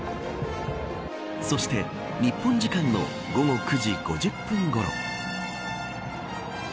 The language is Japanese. そして日本時間の午後９時５０分ごろ。